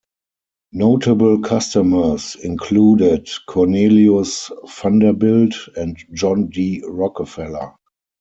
Notable customers included Cornelius Vanderbilt and John D. Rockefeller.